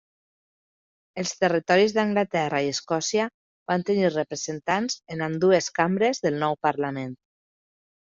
Els territoris d'Anglaterra i Escòcia van tenir representants en ambdues cambres del nou parlament.